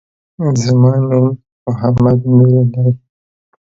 زما نوم محمد نور دی